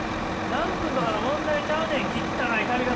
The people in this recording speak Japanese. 何分とかの問題ちゃうねん！